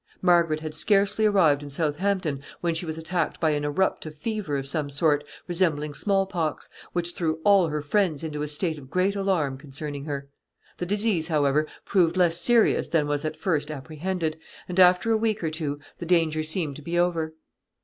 Margaret had scarcely arrived in Southampton when she was attacked by an eruptive fever of some sort, resembling small pox, which threw all her friends into a state of great alarm concerning her. The disease, however, proved less serious than was at first apprehended, and after a week or two the danger seemed to be over.